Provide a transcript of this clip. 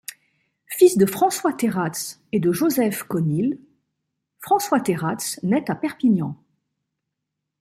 Fils de François Terrats et Josèphe Conill, François Terrats naît à Perpignan.